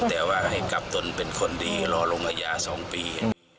แต่ว่าให้กลับตนเป็นคนดีรอลงอาญา๒ปี